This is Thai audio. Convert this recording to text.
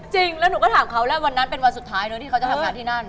จริงแล้วหนูก็ถามเขาแล้ววันนั้นเป็นวันสุดท้ายเนอะที่เขาจะทำงานที่นั่น